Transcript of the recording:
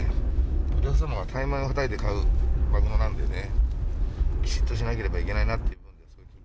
お客様が大枚をはたいて買うマグロなんでね、きちっとしなければいけないなって。